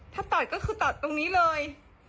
ถ้าตัดก็คือตัดตรงนี้เลย